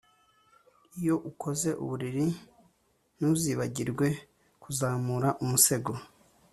iyo ukoze uburiri, ntuzibagirwe kuzamura umusego